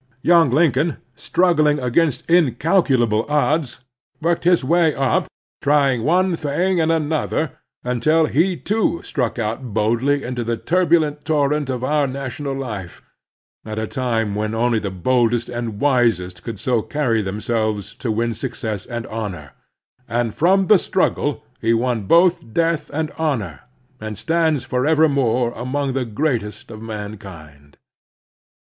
Yotmg Lincoln, strug gling against incalculable odds, worked his way up, trying one thing and another until he, too, / j xi6 The Strenuous Life struck out boldly into the turbulent torrent of our national life, at a time when only the boldest and wisest could so carry themselves as to win success and honor ; and from the struggle he won ! both death and honor, and stands forevermore I among the greatest of mankind.